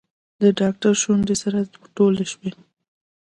د ډاکتر شونډې سره ټولې شوې.